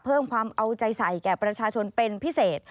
เพิ่มความเอาใจใส่แก่ประชาชนเป็นพิเศษ